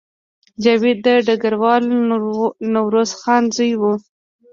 جاوید د ډګروال نوروز خان زوی و